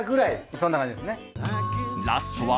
そんな感じですね。